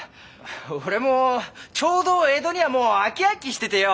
俺もちょうど江戸にはもう飽き飽きしててよ。